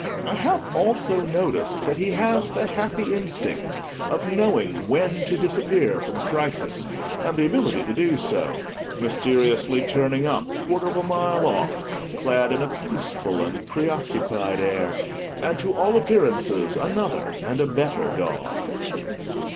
I have also noticed that he has the happy instinct of knowing when to disappear from a crisis, and the ability to do so; mysteriously turning up, quarter of a mile off, clad in a peaceful and pre occupied air, and to all appearances another and a better dog.